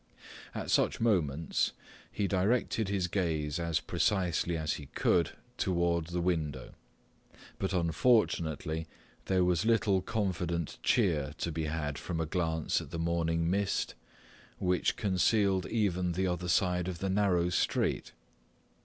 At such moments, he directed his gaze as precisely as he could toward the window, but unfortunately there was little confident cheer to be had from a glance at the morning mist, which concealed even the other side of the narrow street.